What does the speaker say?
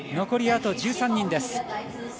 残りあと１３人です。